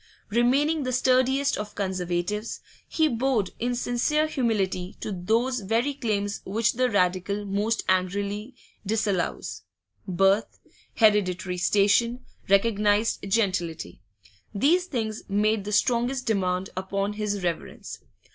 Remaining the sturdiest of Conservatives, he bowed in sincere humility to those very claims which the Radical most angrily disallows: birth, hereditary station, recognised gentility these things made the strongest demand upon his reverence.